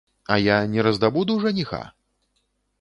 А я не раздабуду жаніха?